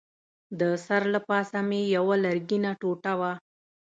د سر له پاسه مې یوه لرګینه ټوټه وه.